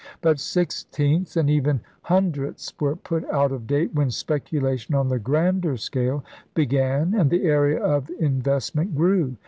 But sixteenths, and even hundredths, were put out of date when speculation on the grander scale began and the area of investment grew.